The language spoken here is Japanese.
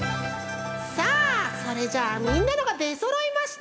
さあそれじゃみんなのがでそろいました！